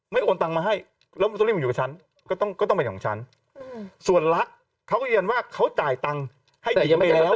ไม่โอนตังมาให้แล้วสรุปมันอยู่กับฉันก็ต้องเป็นของฉันส่วนละเขาก็เรียนว่าเขาจ่ายตังค์ให้หญิงไปแล้ว